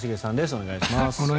お願いします。